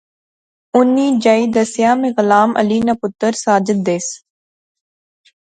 اُنی جائی دسیا میں غلام علی ناں پتر ساجد دیس